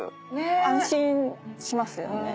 安心しますよね。